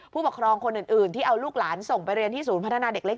ผู้ปกครองคนอื่นที่เอาลูกหลานส่งไปเรียนที่ศูนย์พัฒนาเด็กเล็ก